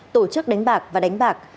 tổ chức đánh bạc và đánh bạc